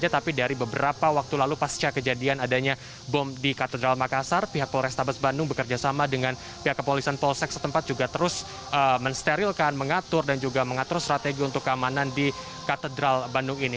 tapi dari beberapa waktu lalu pasca kejadian adanya bom di katedral makassar pihak polrestabes bandung bekerjasama dengan pihak kepolisian polsek setempat juga terus mensterilkan mengatur dan juga mengatur strategi untuk keamanan di katedral bandung ini